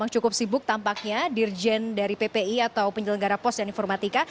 cukup sibuk tampaknya dirjen dari ppi atau penyelenggara pos dan informatika